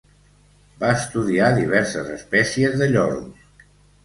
Va estudiar diverses espècies de lloros.